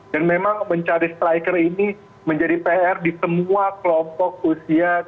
dan memang mencari striker ini menjadi pr di semua kelompok usia